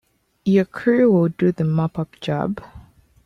Your crew will do the mop up job.